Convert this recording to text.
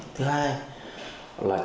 thứ hai là chất lượng